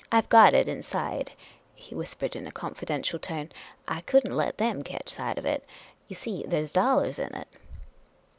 " I 've got it inside," he whispered, in a confidential tone. " I could n't let 'em ketch sight of it. You see, there 's dollars in it."